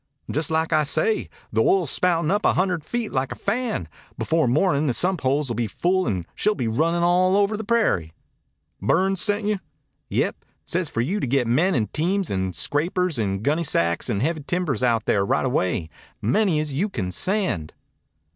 "Jus' like I say. The oil's a spoutin' up a hundred feet like a fan. Before mornin' the sump holes will be full and she'll be runnin' all over the prairie." "Burns sent you?" "Yep. Says for you to get men and teams and scrapers and gunnysacks and heavy timbers out there right away. Many as you can send."